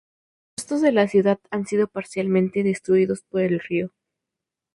Los restos de la ciudad han sido parcialmente destruidos por el río.